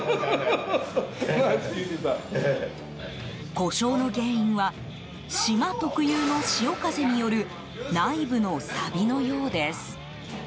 故障の原因は島特有の潮風による内部のさびのようです。